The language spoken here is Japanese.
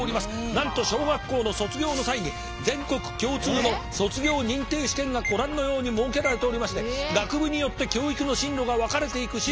なんと小学校の卒業の際に全国共通の卒業認定試験がご覧のように設けられておりまして学部によって教育の進路が分かれていくシステムだ。